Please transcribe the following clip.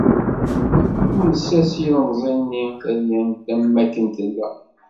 Yules-as yilemẓi-nni tadyant am wakken tella.